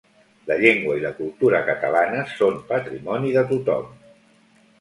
La llengua i la cultura catalanes són patrimoni de tothom.